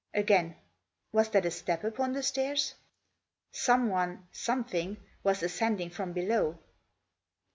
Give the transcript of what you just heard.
Again. Was that a step upon the stairs ? Someone, something, was ascending from below?